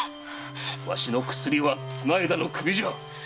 わしの薬は綱條の首じゃ！